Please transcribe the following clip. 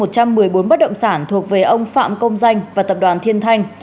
chín mươi bảy trên một trăm một mươi bốn bất động sản thuộc về ông phạm công danh và tập đoàn thiên thanh